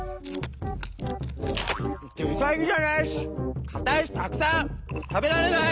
ウサギじゃないしかたいしたくさん食べられない！